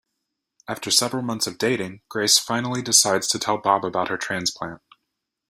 After several months of dating, Grace finally decides to tell Bob about her transplant.